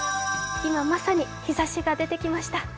今、まさに日ざしが出てきました。